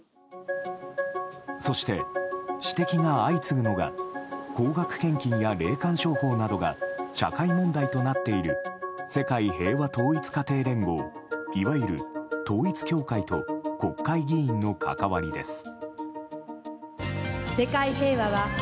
そして、指摘が相次ぐのが高額献金や霊感商法などが社会問題となっている世界平和統一家庭連合いわゆる統一教会と国会議員の関わりです。